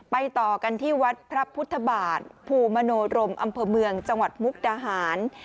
ต่อกันที่วัดพระพุทธบาทภูมิมโนรมอำเภอเมืองจังหวัดมุกดาหาร